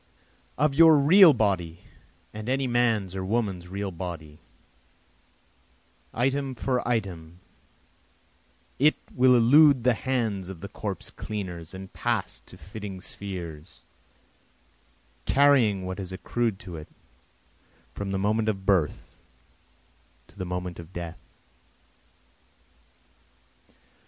Of your real body and any man's or woman's real body, Item for item it will elude the hands of the corpse cleaners and pass to fitting spheres, Carrying what has accrued to it from the moment of birth to the moment of death.